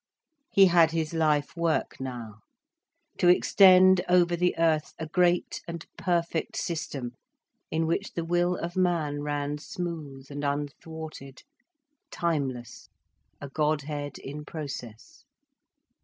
He had his life work now, to extend over the earth a great and perfect system in which the will of man ran smooth and unthwarted, timeless, a Godhead in process.